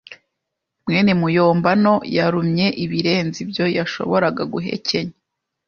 mwene muyombano yarumye ibirenze ibyo yashoboraga guhekenya.